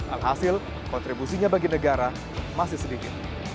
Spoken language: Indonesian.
alhasil kontribusinya bagi negara masih sedikit